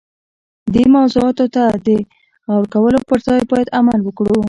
دې موضوعاتو ته د غور کولو پر ځای باید عمل وکړو.